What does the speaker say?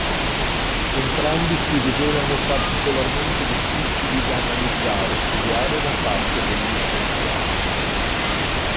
Entrambi si rivelano particolarmente difficili da analizzare e studiare da parte degli scienziati.